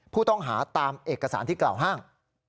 ผู้ต้องหาตามเอกสารที่กล่าวอ้าง